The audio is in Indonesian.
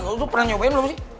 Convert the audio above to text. lo pernah nyobain belum sih